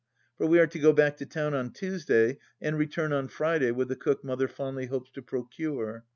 For we are to go back to town on Tuesday, and return on Friday with the cook Mother fondly hopes to procure.